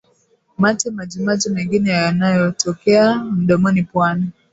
mate majimaji mengine yanayotokea mdomoni puani